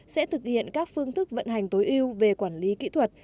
sẽ thực hiện các phương thức vận hành tối ưu về quản lý kỹ thuật